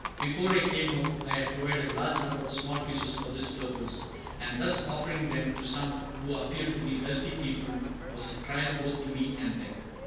Before I came out, I had provided a large number of small pieces for this purpose, and thus offering them to some who appeared to be wealthy people was a trial both to me and them.